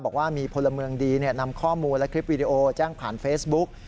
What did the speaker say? บอกว่ามีพลเมืองดีนำข้อมูลและคลิปวีดีโอแจ้งผ่านเฟซบุ๊ก